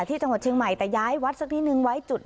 ที่จังหวัดเชียงใหม่แต่ย้ายวัดสักนิดนึงไว้จุด